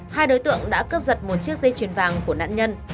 hai đối tượng đã cướp giật một chiếc dây chuyền vàng của nạn nhân